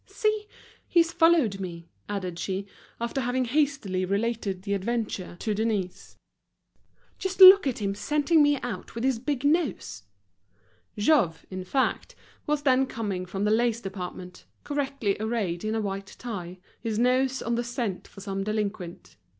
"See! he's followed me," added she, after having hastily related the adventure to Denise. "Just look at him scenting me out with his big nose!" Jouve, in fact, was then coming from the lace department, correctly arrayed in a white tie, his nose on the scent for some delinquent.